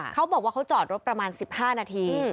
เขาบอกว่าเขาจอดรถประมาณ๑๕นาที